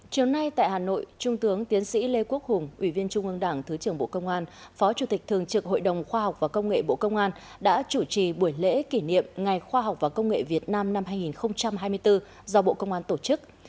chiều nay tại hà nội trung tướng tiến sĩ lê quốc hùng ủy viên trung ương đảng thứ trưởng bộ công an phó chủ tịch thường trực hội đồng khoa học và công nghệ bộ công an đã chủ trì buổi lễ kỷ niệm ngày khoa học và công nghệ việt nam năm hai nghìn hai mươi bốn do bộ công an tổ chức